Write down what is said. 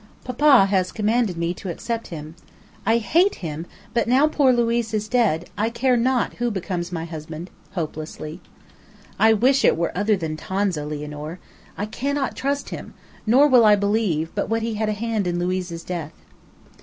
Papa has commanded me to accept him. I hate him; but now poor Luiz is dead, I care not who becomes my husband," hopelessly. "I wish it were other than Tonza, Lianor. I cannot trust him; nor will I believe but what he had a hand in Luiz's death."